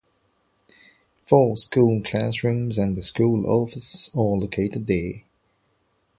Four school classrooms and the school office are located there.